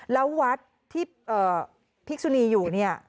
แล้ววัดที่พิกษุนีอยู่เนี่ย